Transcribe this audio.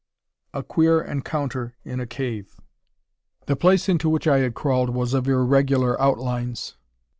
A QUEER ENCOUNTER IN A CAVE. The place into which I had crawled was of irregular outlines.